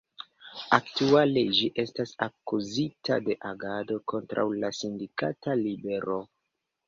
Aktuale ĝi estas akuzita de agado kontraŭ la sindikata libero.